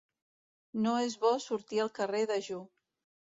No és bo sortir al carrer dejú.